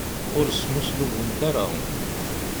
Ur smuslubemt ara.